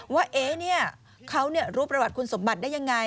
ว่าเขารู้ประวัติคุณสมบัติได้ยังไง